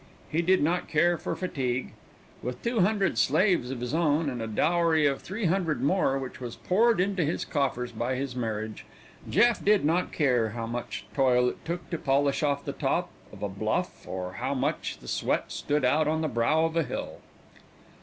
He did not care for fatigue. With two hundred slaves of his own, and a dowry of three hundred more which was poured into his coffers by his marriage, Jeff did not care how much toil it took to polish off the top of a bluff or how much the sweat stood out on the brow of a hill.